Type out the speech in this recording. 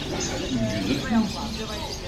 Was hat ihn geritten?